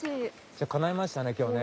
じゃあかないましたね今日ね。